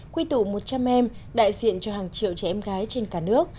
quy tụ một trăm linh em đại diện cho hàng triệu trẻ em gái trên cả nước